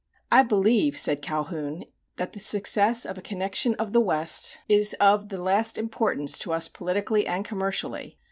"I believe," said Calhoun, "that the success of a connection of the West is of the last importance to us politically and commercially.